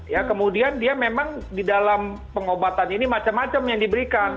ya kemudian dia memang di dalam pengobatan ini macam macam yang diberikan